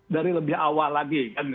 dari lebih awal lagi